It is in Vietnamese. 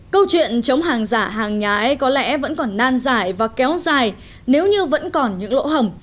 câu chuyện chống hàng giả hàng nhãi có lẽ vẫn còn nan dài và kéo dài nếu như vẫn còn những lỗ hầm